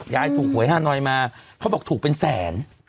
ยายถูกหวยฮานอยมาเขาบอกถูกเป็นแสน